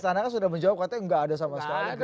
istana kan sudah menjawab katanya nggak ada sama sekali